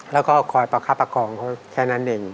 แล้วก็คอยประคับประคองเขาแค่นั้นเอง